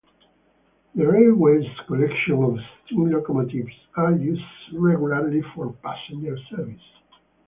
The railway's collection of steam locomotives are used regularly for passenger services.